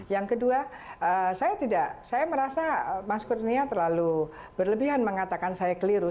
yang kedua saya tidak saya merasa mas kurnia terlalu berlebihan mengatakan saya keliru